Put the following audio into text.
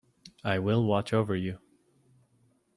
I will watch over you.